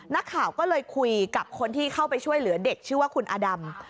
นักข่าวก็เลยคุยกับคนที่เข้าไปช่วยเหลือเด็กชื่อว่าคุณอดำ